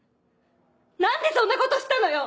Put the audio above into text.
何でそんなことしたのよ。